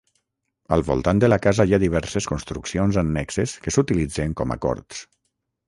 Al voltant de la casa hi ha diverses construccions annexes que s'utilitzen com a corts.